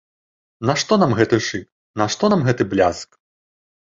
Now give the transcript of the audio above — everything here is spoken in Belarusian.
Нашто нам гэты шык, нашто нам гэты бляск.